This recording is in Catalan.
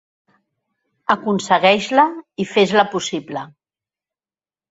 Aconsegueix-la i fes-la possible!